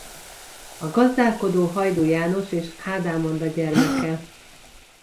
A gazdálkodó Hajdú János és Ádám Anna gyermeke.